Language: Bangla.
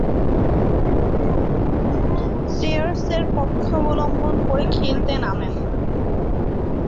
প্লেয়ার্সের পক্ষাবলম্বন করে খেলতে নামেন।